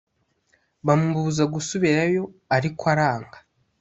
bamubuza gusubirayo ariko aranga.